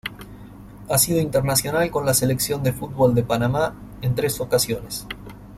Ha sido internacional con la Selección de fútbol de Panamá en tres ocasiones.